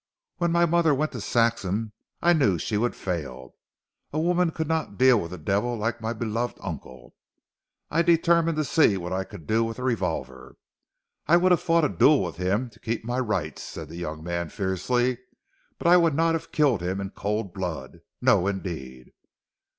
"When my mother went to Saxham I knew she would fail. A woman could not deal with a devil like my beloved uncle. I determined to see what I could do with a revolver. I would have fought a duel with him to keep my rights," said the young man fiercely, "but I would not have killed him in cold blood. No, indeed."